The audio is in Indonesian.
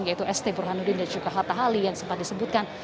yaitu st burhanuddin dan juga hatta hali yang sempat disebutkan